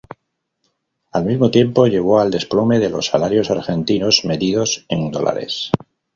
Al mismo tiempo llevó al desplome de los salarios argentinos medidos en dólares.